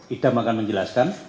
idam akan menjelaskan